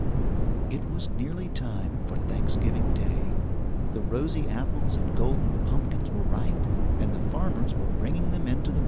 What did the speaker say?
It was nearly time for Thanksgiving Day. The rosy apples and golden pumpkins were ripe, and the farmers were bringing them into the markets.